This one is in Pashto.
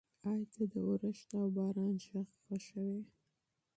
ایا ته د اورښت او باران غږ خوښوې؟